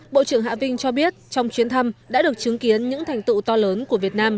bộ trưởng hạ vinh cho biết trong chuyến thăm đã được chứng kiến những thành tựu to lớn của việt nam